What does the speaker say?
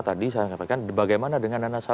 tadi saya katakan bagaimana dengan